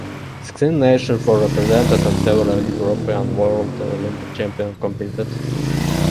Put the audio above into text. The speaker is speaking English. Sixteen nations were represented and several European, World, and Olympic Champions competed.